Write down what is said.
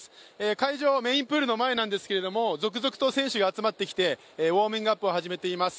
会場はメインプールの前なんですけど、続々と選手たちが集まってきてウォーミングアップを始めています。